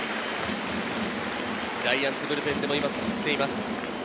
ジャイアンツブルペンでも今、作っています。